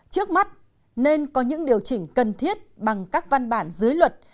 trước mắt nên có những điều chỉnh cần thiết bằng các văn bản dưới luật